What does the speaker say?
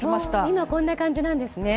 今こんな感じなんですね。